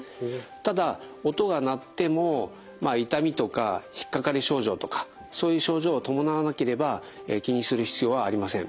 ただ音が鳴っても痛みとか引っ掛かり症状とかそういう症状を伴わなければ気にする必要はありません。